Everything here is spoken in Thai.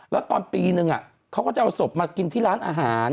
แล้วตอนปีนึงเขาก็จะเอาศพมากินที่ร้านอาหาร